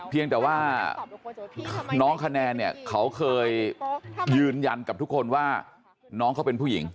เพียงแต่ว่าน้องคะแนนเนี่ยเขาเคยยืนยันกับทุกคนว่าน้องเขาเป็นผู้หญิง